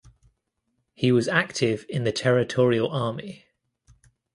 He was active in the Territorial Army.